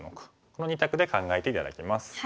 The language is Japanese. この２択で考えて頂きます。